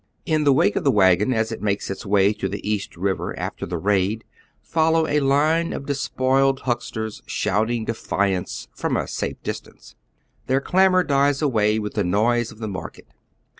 In the wake of the wagon, as it makes its way to the East Kiver after tlie raid, fol low a line of despoiled hucksters shouting defiance from a oy Google JEWTOWN"." 119 safe distance. Their clamor dies away with the noise of the market.